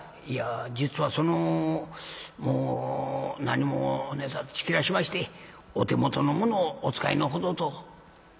「いや実はそのもう何も切らしましてお手元のものをお使いのほどと」。